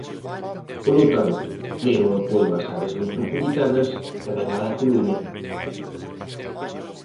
Polo tanto, pleno apoio ás areas metropolitanas, tamén á da Coruña.